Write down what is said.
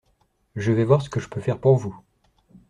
Je vais voir ce que je peux faire pour vous.